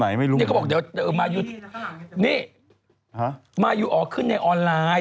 ไม่รู้นี่เขาบอกเดี๋ยวมายูนี่ฮะมายูอ๋อขึ้นในออนไลน์